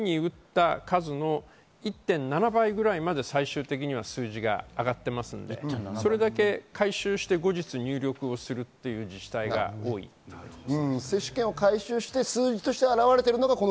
だいたいその日に打った数の１．７倍くらいまでは最終的には上がっていますのでそれだけ回収して後日入力するという自治体も多いということです。